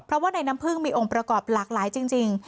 เพราะว่าในน้ำพึ่งมีองค์ประกอบหลากหลายจริง